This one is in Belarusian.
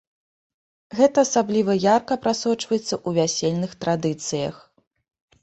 Гэта асабліва ярка прасочваецца ў вясельных традыцыях.